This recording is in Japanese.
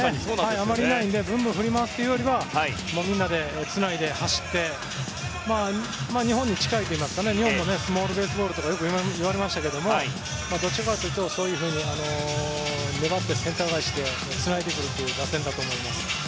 あまりいないのでブンブン振り回すというよりはみんなでつないで、走って日本に近いといいますか日本もスモールベースボールとかよく言われましたけどもどちらかというと粘ってセンター返しでつないでくるという打線だと思います。